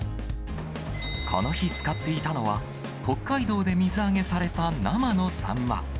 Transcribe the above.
この日使っていたのは、北海道で水揚げされた生のサンマ。